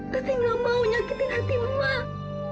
teteh gak mau nyakitin hati mak